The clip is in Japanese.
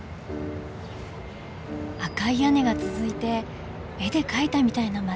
赤い屋根が続いて絵で描いたみたいな街。